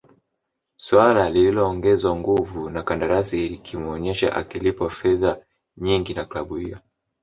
suala lililoongezwa nguvu na kandarasi ikimuonesha akilipwa fedha nyingi na klabu hiyo